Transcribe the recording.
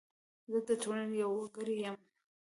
زه د ټولنې یو وګړی یم .